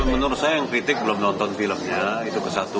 menurut saya yang kritik belum nonton filmnya itu ke satu